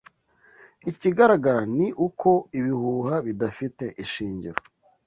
Ikigaragara ni uko ibihuha bidafite ishingiro.